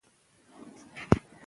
سوداګر په پنجاب کي تجارت کوي.